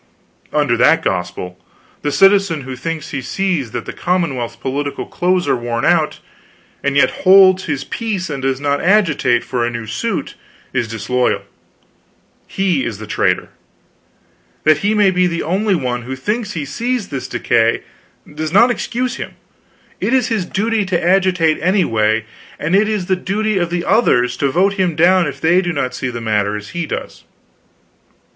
Under that gospel, the citizen who thinks he sees that the commonwealth's political clothes are worn out, and yet holds his peace and does not agitate for a new suit, is disloyal; he is a traitor. That he may be the only one who thinks he sees this decay, does not excuse him; it is his duty to agitate anyway, and it is the duty of the others to vote him down if they do not see the matter as he does.